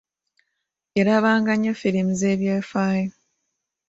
Yalabanga nnyo firimu z'ebyafaayo.